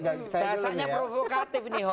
dasarnya provokatif ini